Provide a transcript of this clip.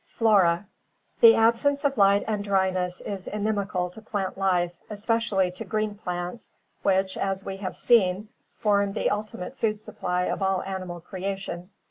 Flora The absence of light and dryness is inimical to plant life, es pecially to green plants, which, as we have seen, form the ultimate food supply of all animal creation.